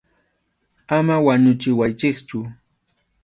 Ama wañuchiwaychikchu.